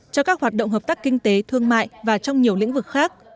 cho các hoạt động hợp tác kinh tế thương mại và trong nhiều lĩnh vực khác